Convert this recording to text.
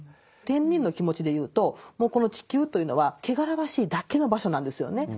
天人の気持ちでいうともうこの地球というのは汚らわしいだけの場所なんですよね。